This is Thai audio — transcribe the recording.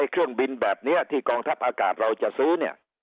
เครื่องบินแบบนี้ที่กองทัพอากาศเราจะซื้อเนี่ย